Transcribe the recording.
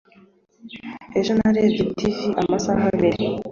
ejo narebye tv amasaha abiri